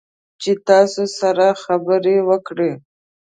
چې تاسو سره خبرې وکړي